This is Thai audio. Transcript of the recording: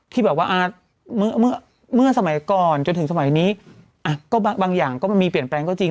ที่แบบว่าอ่าเมื่อเมื่อเมื่อสมัยก่อนจนถึงสมัยนี้อ่ะก็บางบางอย่างก็มันมีเปลี่ยนแปลงก็จริง